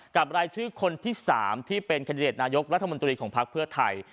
รายชื่อคนที่๓ที่เป็นคันดิเดตนายกรัฐมนตรีของพักเพื่อไทย